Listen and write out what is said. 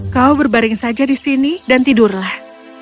kau berbaring saja di sini dan tidurlah